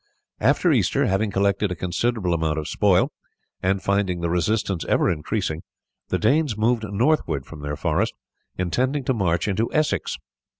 After Easter, having collected a considerable amount of spoil, and finding the resistance ever increasing, the Danes moved northwards from their forest, intending to march into Essex.